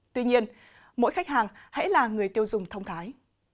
tuy nhiên mỗi khách hàng hãy là người tiêu dùng thông thái